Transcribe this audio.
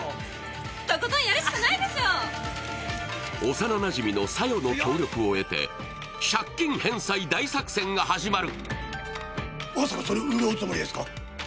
幼なじみのさよの協力を得て借金返済大作戦が始まる。